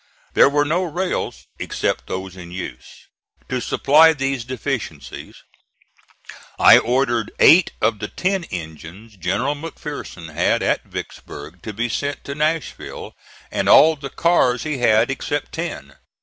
There were no rails except those in use. To supply these deficiencies I ordered eight of the ten engines General McPherson had at Vicksburg to be sent to Nashville, and all the cars he had except ten.